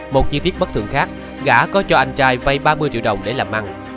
một chi tiết bất thường khác gã có cho anh trai vay ba mươi triệu đồng để làm ăn